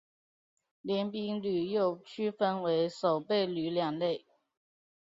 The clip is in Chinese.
联兵旅又区分为守备旅两类。